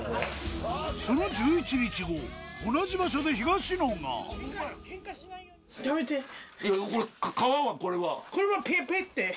その１１日後同じ場所で東野がこれ。